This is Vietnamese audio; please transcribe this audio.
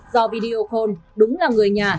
do video call đúng là người nhà